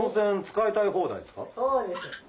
そうです。